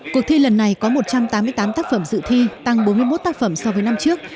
cuộc thi lần này có một trăm tám mươi tám tác phẩm dự thi tăng bốn mươi một tác phẩm so với năm trước